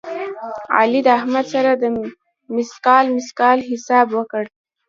علي د احمد سره د مثقال مثقال حساب وکړ.